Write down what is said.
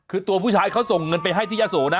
คือตัวผู้ชายเขาส่งเงินไปให้ที่ยะโสนะ